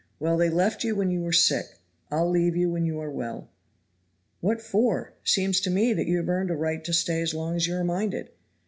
"Well, they left you when you were sick I'll leave you when you are well." "What for? Seems to me that you have earned a right to stay as long as you are minded.